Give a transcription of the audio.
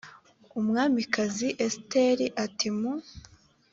umwamikazi esiteri a ati mu